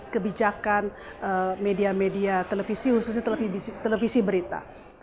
kebijakan media media televisi khususnya televisi berita